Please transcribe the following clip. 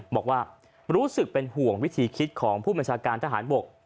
บอกว่ารู้สึกเป็นห่วงวิธีคิดของผู้บัญชาการทหารบก